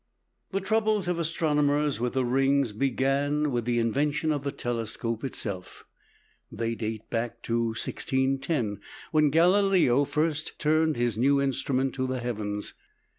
The troubles of astronomers with the rings began with the invention of the telescope itself. They date back to 1610, when Galileo first turned his new instrument to the heavens (p.